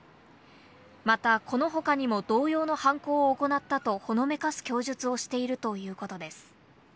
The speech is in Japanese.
またこの他にも同様の犯行を行ったとほのめかす供述をしているということです。